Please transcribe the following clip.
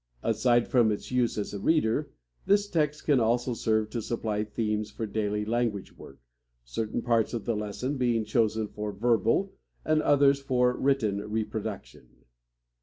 Aside from its use as a reader, this text can also serve to supply themes for daily language work, certain parts of the lesson being chosen for verbal and others for written reproduction.